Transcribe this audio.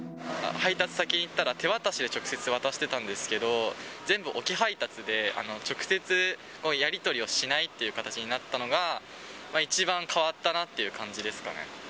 配達先行ったら、手渡しで直接、渡してたんですけど、全部、置き配達で、直接やり取りをしないっていう形になったのが、一番変わったなって感じですかね。